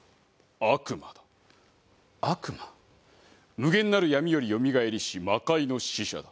無限なる闇よりよみがえりし魔界の使者だ。